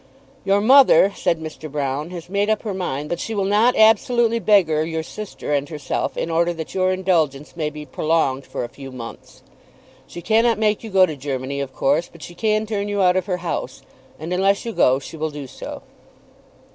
"Your mother," said Mr. Broune, "has made up her mind that she will not absolutely beggar your sister and herself in order that your indulgence may be prolonged for a few months. She cannot make you go to Germany of course. But she can turn you out of her house, and, unless you go, she will do so."